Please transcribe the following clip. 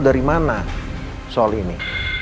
dari mana soal ini